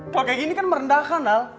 kalau kaya gini kan merendahkan al